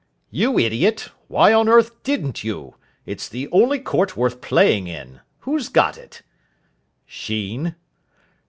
"You idiot, why on earth didn't you? It's the only court worth playing in. Who's got it?" "Sheen."